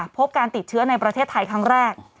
พบการติดเชื้อในประเทศไทยครั้งแรก